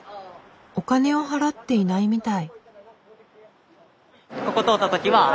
お金を払っていないみたい。